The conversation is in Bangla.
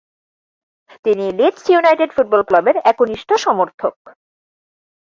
তিনি লিডস ইউনাইটেড ফুটবল ক্লাবের একনিষ্ঠ সমর্থক।